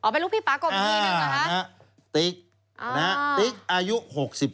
อ๋อเป็นลูกพี่ป๊ากรบนี้หนึ่งหรือครับ